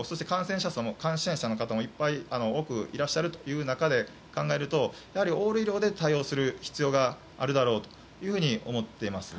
感染者の方も多くいっぱい多くいらっしゃるという中で考えるとやはりオール医療で対応する必要があるだろうと思っています。